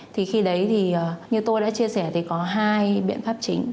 thì khi đấy thì như tôi đã chia sẻ thì có hai biện pháp chính